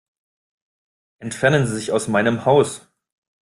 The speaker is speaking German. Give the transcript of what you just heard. Entfernen Sie sich aus meinem Haus.